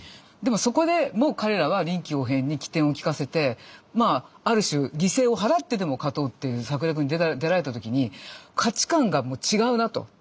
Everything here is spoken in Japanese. でもそこでも彼らは臨機応変に機転を利かせてまあある種犠牲を払ってでも勝とうっていう策略に出られた時に価値観が違うなと。